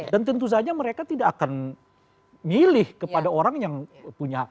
dan tentu saja mereka tidak akan milih kepada orang yang punya